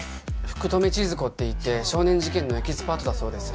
福留智寿子って言って少年事件のエキスパートだそうです